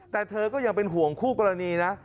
แต่เธอก็ยังเป็นห่วงคู่กรณีนะ